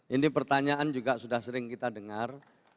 ini pertanyaan juga sudah sering kita dengar